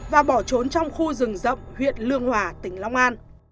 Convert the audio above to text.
và bỏ trốn trong khu rừng rộng huyện lương hòa tỉnh long an